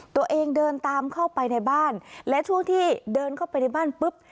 ตัวเองเดินตามเข้าไปในบ้านและช่วงที่เดินเข้าไปในบ้านปุ๊บ